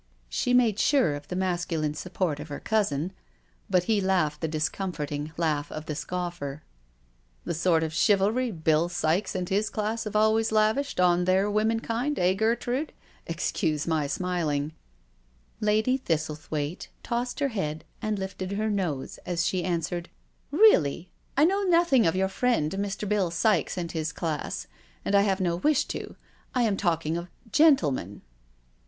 She made sure of the masculine support of her cousin, but he laughed the discomforting laugh of the scoffer: " The sort of chivalry Bill Sikes and his class have always lavished on their women kind, eh, Gertrude? Excuse my smiling I" Lady Thistlethwaite tossed her head and lifted her nose, as she answered, " Really, I jcnow nothing of your friend Mr. Bill Sikes and his class, and I have no wish to — I am talking of gentlemen.